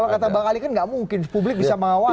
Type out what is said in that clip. kalau kata bang ali kan nggak mungkin publik bisa mengawasi